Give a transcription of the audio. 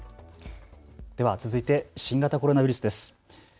では続いて新型コロナウイルスです。